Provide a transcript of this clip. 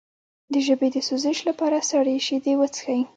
د ژبې د سوزش لپاره سړې شیدې وڅښئ